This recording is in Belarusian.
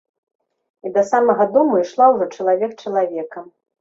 І да самага дому ішла ўжо чалавек чалавекам.